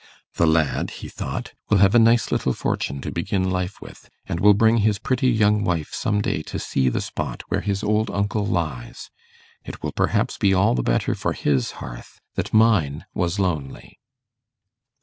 'The lad,' he thought, 'will have a nice little fortune to begin life with, and will bring his pretty young wife some day to see the spot where his old uncle lies. It will perhaps be all the better for his hearth that mine was lonely.